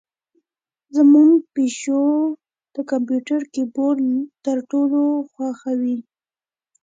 زمونږ پیشو د کمپیوتر کیبورډ تر ټولو خوښوي.